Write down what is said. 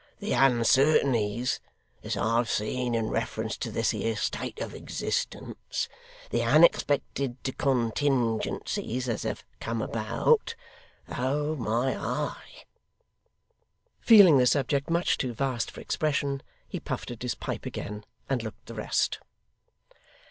'The uncertainties as I've seen in reference to this here state of existence, the unexpected contingencies as have come about! Oh my eye!' Feeling the subject much too vast for expression, he puffed at his pipe again, and looked the rest.